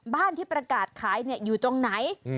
บ้านที่ประกาศขายอยู่ตรงไหน